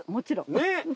ねっ。